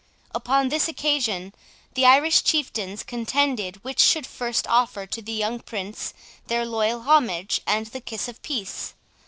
Upon this occasion the Irish chieftains contended which should first offer to the young Prince their loyal homage and the kiss of peace.